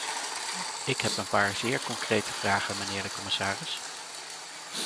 Ik heb een paar zeer concrete vragen, mijnheer de commissaris.